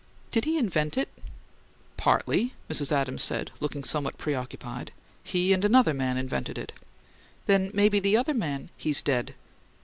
"Did he invent it?" "Partly," Mrs. Adams said, looking somewhat preoccupied. "He and another man invented it." "Then maybe the other man " "He's dead."